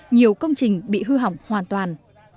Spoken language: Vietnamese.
nhiều công trình bị hư hỏng hoàn toàn